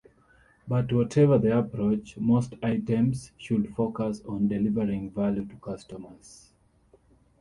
But whatever the approach, most items should focus on delivering value to customers.